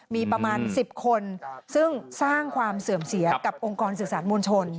มีประมาณ๑๐คนซึ่งสร้างความเสื่อมเสียกับองค์กรสื่อสารมวลชน